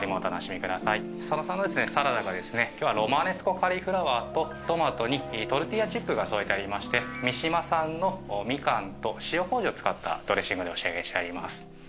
佐野さんのサラダがですねロマネスコカリフラワーとトマトにトルティーヤチップが添えてありまして三島産のミカンと塩こうじを使ったドレッシングでお仕上げしてあります。